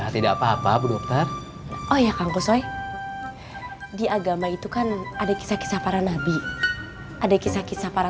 tidak apa apa dokter oh ya kangkusoi di agama itu kan ada kisah kisah para nabi ada kisah kisah para